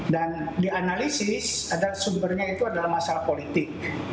dan dianalisis sumbernya itu adalah masalah politik